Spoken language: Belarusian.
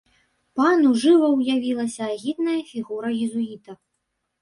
Пану жыва ўявілася агідная фігура езуіта.